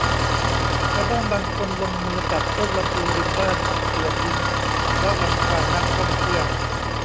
ชาวบ้านบางคนลงมือตัดต้นลำพูริมบ้านตัวทิ้ง เพราะรำคาญนักท่องเที่ยว